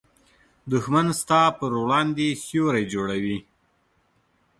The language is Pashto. دښمن ستا پر وړاندې سیوری جوړوي